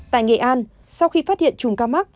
tại nghệ an sau khi phát hiện trùng cắm